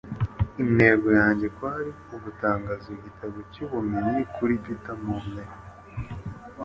Intego yanjye kwari ugutangaza igitabo cyubumenyi kuri Peter Morne